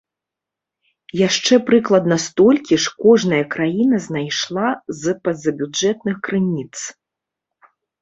Яшчэ прыкладна столькі ж кожная краіна знайшла з пазабюджэтных крыніц.